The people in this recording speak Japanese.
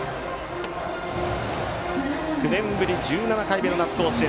９年ぶり１７回目の夏の甲子園。